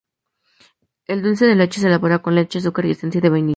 El dulce de leche se elabora con leche, azúcar y esencia de vainilla.